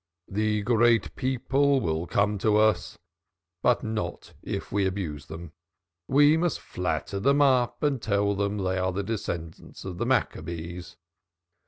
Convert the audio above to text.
"The great people will come to us, but not if we abuse them. We must flatter them up and tell them they are the descendants of the Maccabees.